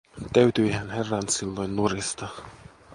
Täytyihän herran silloin nurista.